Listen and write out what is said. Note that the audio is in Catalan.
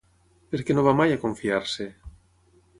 Per què no va mai a confiar-se?